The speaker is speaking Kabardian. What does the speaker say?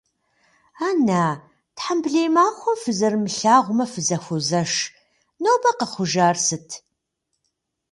Ан-на, тхьэмбылей махуэм фызэрымылъагъумэ, фызэхуозэш, нобэ къэхъужар сыт?